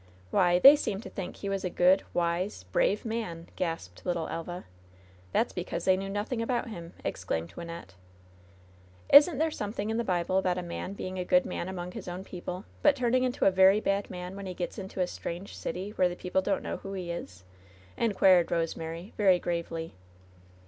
^Why, they seem to think he was a good, wise, brave man !" gasped little Elva. "That's because they knew nothing about him," ex claimed Wynnette. "Isn't there something in the Bible about a man being a good man among his own people, but turning into a very bad man when he gets into a strange city where the people doii't know who he is ?" inquired Rosemary, very gravely.